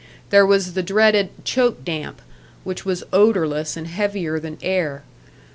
There was the dreaded "choke damp," which was odourless, and heavier than air.